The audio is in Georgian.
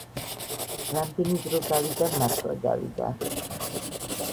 რამდენი დრო გავიდა მართლა გავიდა